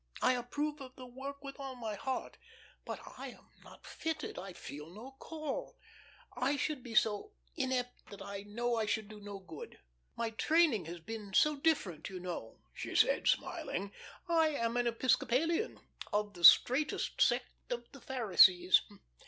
I approve of the work with all my heart, but I am not fitted I feel no call. I should be so inapt that I know I should do no good. My training has been so different, you know," she said, smiling. "I am an Episcopalian 'of the straightest sect of the Pharisees.'